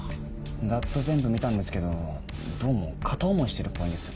ざっと全部見たんですけどどうも片思いしてるっぽいんですよ。